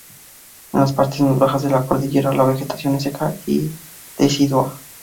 En las partes más bajas de la cordillera la vegetación es seca y decidua.